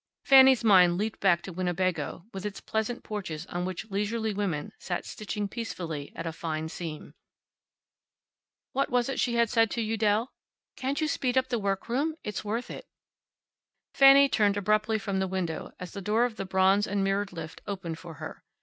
Fanny's mind leaped back to Winnebago, with its pleasant porches on which leisurely women sat stitching peacefully at a fine seam. What was it she had said to Udell? "Can't you speed up the workroom? It's worth it." Fanny turned abruptly from the window as the door of the bronze and mirrored lift opened for her.